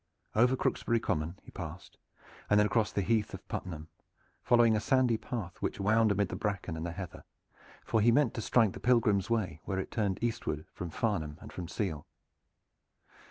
Over Crooksbury Common he passed, and then across the great Heath of Puttenham, following a sandy path which wound amid the bracken and the heather, for he meant to strike the Pilgrims' Way where it turned eastward from Farnham and from Seale.